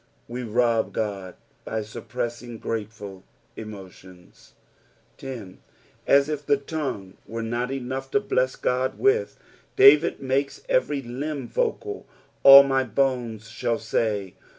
We rob God by suppressing grateful emotions. 10. As it the tongue were not enough to bless God with, Bavid makes every limb vocal—"' All my bone* thall my.